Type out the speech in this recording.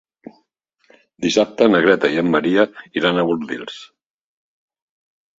Dissabte na Greta i en Maria iran a Bordils.